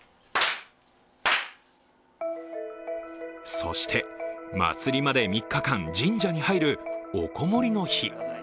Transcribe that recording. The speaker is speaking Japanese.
そして、祭りまで３日間神社に入る、おこもりの日。